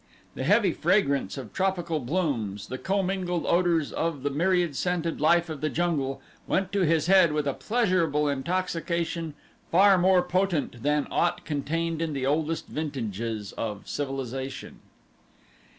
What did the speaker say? The heavy fragrance of tropical blooms, the commingled odors of the myriad scented life of the jungle went to his head with a pleasurable intoxication far more potent than aught contained in the oldest vintages of civilization.